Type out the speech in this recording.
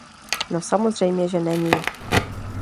No, samozřejmě že není.